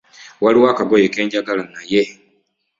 Waliwo akagoye kenjagala naye.